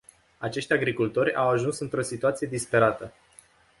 Acești agricultori au ajuns într-o situație disperată.